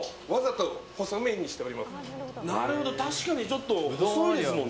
確かにちょっと細いですもんね。